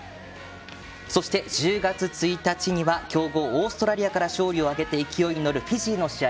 そして１０月１日には強豪オーストラリアから勝利を挙げて勢いに乗るフィジーの試合